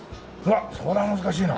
それは難しいな。